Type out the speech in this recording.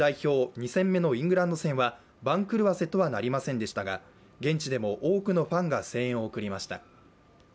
２戦目のイングランド戦は番狂わせとはなりませんでしたが、現地でも多くのファンが声援を送りました。